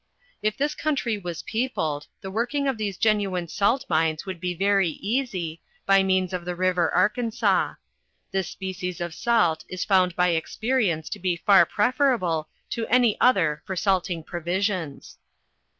If this country was peopled, the working of these genuine salt mines would be very easy, by means of the river Arkansas. This species of salt is found by experience to be far prefera ble to any other for salting provisions.